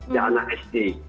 ya anak sd